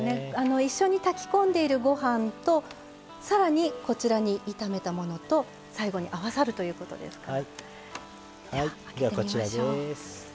一緒に炊きこんでいるご飯とさらに、こちらに炒めたものと最後に合わさるということですね。